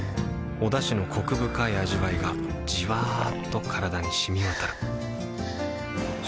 おだしのコク深い味わいがじわっと体に染み渡るはぁ。